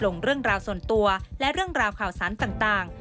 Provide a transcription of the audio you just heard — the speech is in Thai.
เรื่องราวส่วนตัวและเรื่องราวข่าวสารต่าง